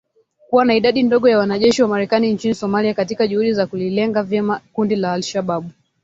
kuwa na idadi ndogo ya wanajeshi wa Marekani nchini Somalia katika juhudi za kulilenga vyema kundi la al-Shabaab